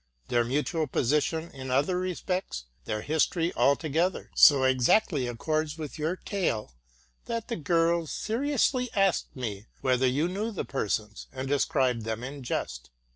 Their mutual position in other respects, their history altogether, so exactly accords with your tale, that the girls seriously asked me whether you knew the persons, and de seribed them in jest.